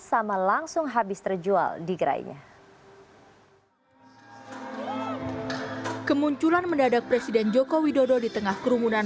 sama langsung habis terjual di gerainya kemunculan mendadak presiden joko widodo di tengah kerumunan